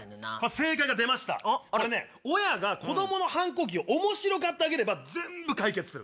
正解が出ました、親が子どもの反抗期おもしろがってあげれば、全部解決する。